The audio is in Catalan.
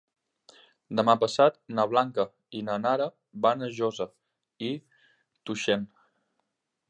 Demà passat na Blanca i na Nara van a Josa i Tuixén.